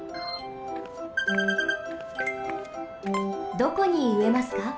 どこにうえますか？